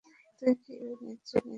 তুমি কি এই ব্যাপারে নিশ্চিত?